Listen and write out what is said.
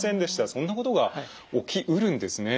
そんなことが起きうるんですね。